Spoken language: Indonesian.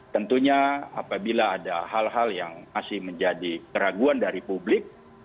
tentunya apabila ada hal hal yang masih menjadi keraguan dari publik